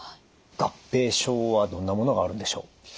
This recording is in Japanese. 合併症はどんなものがあるんでしょう？